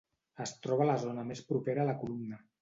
Es troba a la zona més propera a la columna.